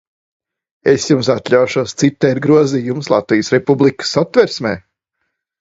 Es jums atļaušos citēt grozījumus Latvijas Republikas Satversmē.